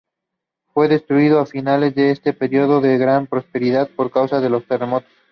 Fue destruido a finales de este periodo de gran prosperidad por causa de terremotos.